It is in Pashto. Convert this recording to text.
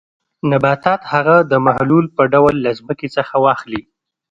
نباتات هغه د محلول په ډول له ځمکې څخه واخلي.